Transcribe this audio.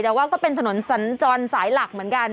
แต่ว่าก็เป็นถนนสัญจรสายหลักเหมือนกัน